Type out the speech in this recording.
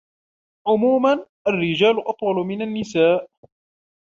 عموما، الرجال أطول من النساء.